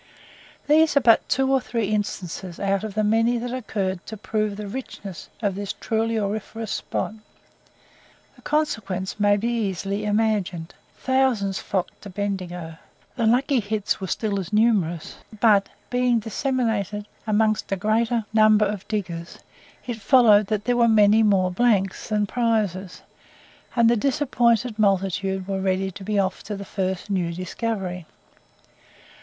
These are but two or three instances out of the many that occurred to prove the richness of this truly auriferous spot. The consequence may be easily imagined; thousands flocked to Bendigo. The "lucky bits" were still as numerous, but being disseminated among a greater number of diggers, it followed that there were many more blanks than prizes, and the disappointed multitude were ready to be off to the first new discovery.